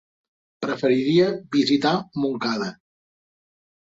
Preferiria visitar Montcada.